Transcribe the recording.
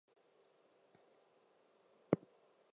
The quarterly newsletter "British Naturalist" is only for members.